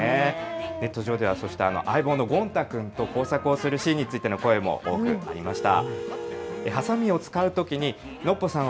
ネット上では相棒のゴン太くんと工作するシーンについても多くありました。